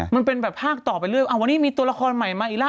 มันเป็นแบบภาคต่อไปเรื่อยวันนี้มีตัวละครใหม่มาอีกแล้ว